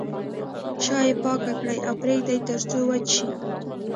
شا یې پاکه کړئ او پرېږدئ تر څو وچ شي.